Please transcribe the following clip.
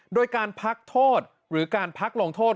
โดยการพักโทษหรือการพักลงโทษ